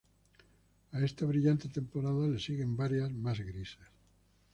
A esta brillante temporada le siguen varias más grises.